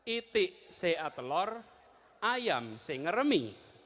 itik se a telor ayam se ngeremi